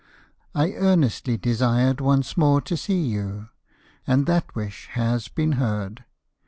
I earnestly desired once more to see you, and that wish has been heard.